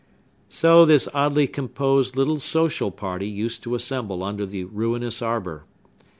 So this oddly composed little social party used to assemble under the ruinous arbor.